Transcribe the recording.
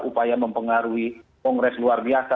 upaya mempengaruhi kongres luar biasa